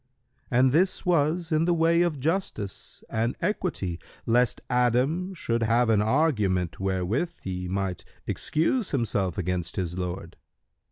And this was in the way of justice and equity, lest Adam should have an argument wherewith he might excuse himself against his Lord.